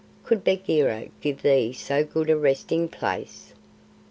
Could Bagheera give thee so good a resting place?"